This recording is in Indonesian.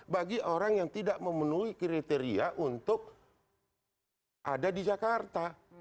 bagi orang yang tidak memenuhi kriteria untuk ada di jakarta